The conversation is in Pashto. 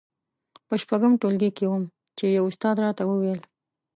په شپږم ټولګي کې وم چې يوه استاد راته وويل.